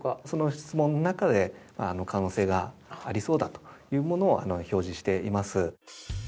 その質問の中で可能性がありそうだというものを表示しています。